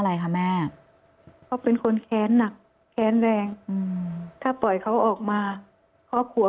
อะไรคะแม่เขาเป็นคนแค้นหนักแค้นแรงอืมถ้าปล่อยเขาออกมาครอบครัว